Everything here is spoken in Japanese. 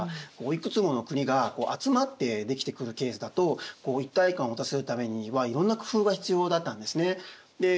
いくつもの国が集まって出来てくるケースだと一体感を持たせるためにはいろんな工夫が必要だったんですね。